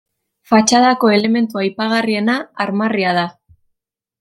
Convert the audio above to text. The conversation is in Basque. Fatxadako elementu aipagarriena armarria da.